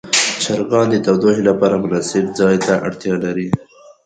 چرګان د تودوخې لپاره مناسب ځای ته اړتیا لري.